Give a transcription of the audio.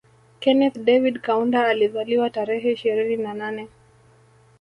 Kenneth David Kaunda alizaliwa tarehe ishirini na nane